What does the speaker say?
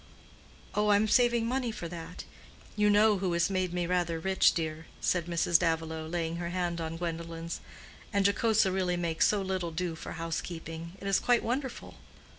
"Oh, I am saving money for that. You know who has made me rather rich, dear," said Mrs. Davilow, laying her hand on Gwendolen's. "And Jocosa really makes so little do for housekeeping—it is quite wonderful."